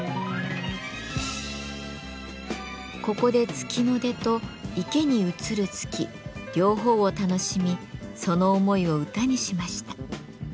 ここで月の出と池に映る月両方を楽しみその思いを歌にしました。